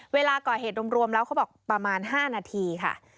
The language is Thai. เวลาก่อเหตุรวมแล้วเขาบอกประมาณ๕นาทีค่ะ